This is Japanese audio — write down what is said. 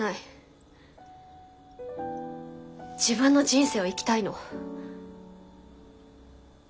自分の人生を生きたいの。